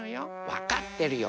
わかってるよ